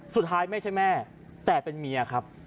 สุดท้ายไม่ใช่แม่แต่เป็นเมียครับ